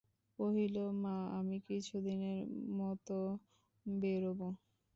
কহিল, মা, আমি কিছুদিনের মতো বেরোব।